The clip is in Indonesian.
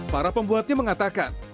para pembuatnya mengatakan